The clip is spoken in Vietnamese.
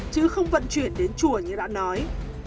chứ không vận chuyển đến chùa như đã nói